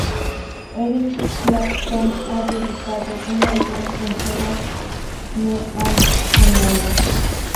Eric Clapton ha dedicado un álbum entero "Me and Mr.